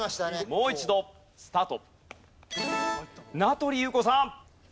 もう一度スタート。